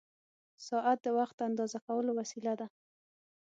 ساعت د وخت اندازه کولو وسیله ده.